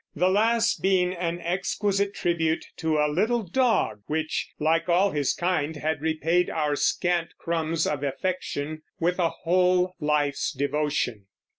the last being an exquisite tribute to a little dog which, like all his kind, had repaid our scant crumbs of affection with a whole life's devotion.